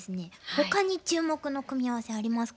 ほかに注目の組み合わせありますか？